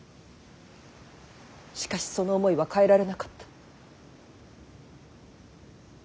しかしその思いは変えられなかった。